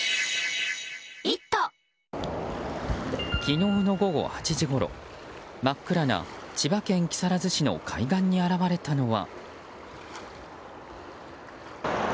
昨日の午後８時ごろ真っ暗な千葉県木更津市の海岸に現れたのは。